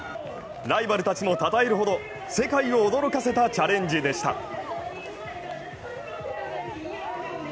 ライバルたちもたたえるほど、世界を驚かせたチャレンジでした。